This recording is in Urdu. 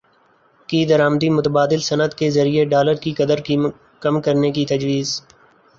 کی درامدی متبادل صنعت کے ذریعے ڈالر کی قدر کم کرنے کی تجویز